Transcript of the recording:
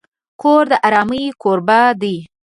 کور د آرامۍ کوربه دی.